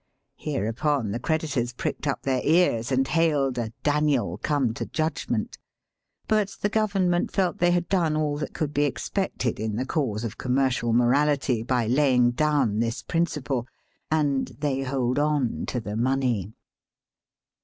Hereupon the creditors pricked up their ears and hailed ^^ a Daniel come to judgment." But the Government felt they had done all that could be expected in the cause of commercial moraUty by laying down this principle; and they hold on to the money.